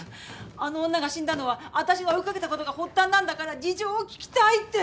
あの女が死んだのは私が追い掛けたことが発端なんだから事情を聴きたいって。